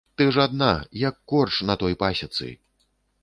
Ты ж адна, як корч той на пасецы!